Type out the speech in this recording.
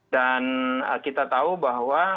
dan kita tahu bahwa